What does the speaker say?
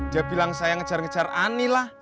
dia bilang saya ngejar ngejar ani lah